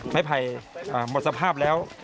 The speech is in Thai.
ไม้ไผ่หมดสภาพแล้ว